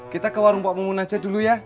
kita ke warung pak mungun aja dulu ya